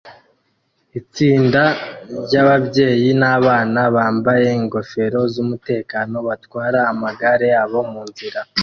Itsinda ryababyeyi nabana bambaye ingofero z'umutekano batwara amagare yabo munzira